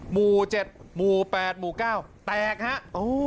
หมู่๗หมู่๘หมู่๙แตกฮะ